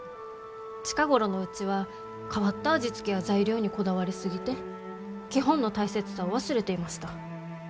近頃のうちは変わった味付けや材料にこだわり過ぎて基本の大切さを忘れていました。